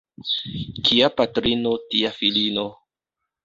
Kia patrino, tia filino.